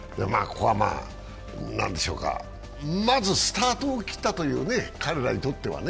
まずスタートを切ったというね、彼らにとっては。